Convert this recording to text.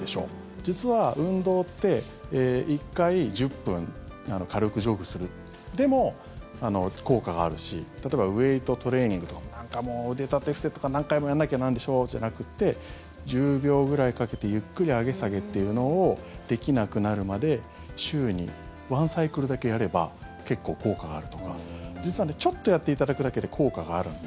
実は、運動って１回１０分軽くジョグするでも効果があるし例えば、ウェートトレーニングなんかもう腕立て伏せとか何回もやんなきゃなんでしょじゃなくて１０秒ぐらいかけてゆっくり上げ下げというのをできなくなるまで週に１サイクルだけやれば結構効果があるとか実はちょっとやっていただくだけで効果があるんで。